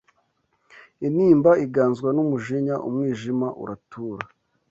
intimba iganzwa n’umujinya, umwijima uratura